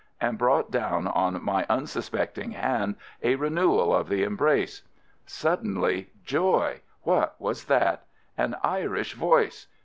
and brought down on my unsuspecting hand a renewal of the em brace. Suddenly — joy! what was that? An Irish voice!